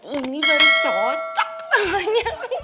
ini baru cocok namanya